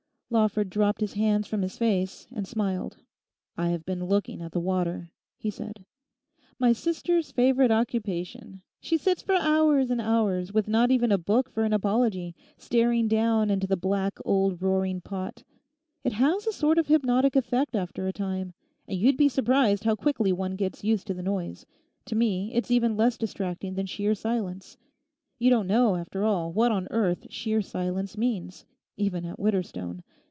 Lawford dropped his hands from his face and smiled. 'I have been looking at the water,' he said. 'My sister's favorite occupation; she sits for hours and hours, with not even a book for an apology, staring down into the black old roaring pot. It has a sort of hypnotic effect after a time. And you'd be surprised how quickly one gets used to the noise. To me it's even less distracting than sheer silence. You don't know, after all, what on earth sheer silence means—even at Widderstone.